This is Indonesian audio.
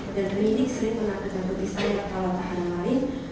dan klinik sering mengakui kegagalan saya kalau tahanan lain